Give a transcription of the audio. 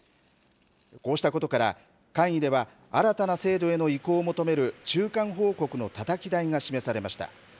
こうしたことから、会議では、新たな制度への移行を求める中間報告のたたき台が示されました。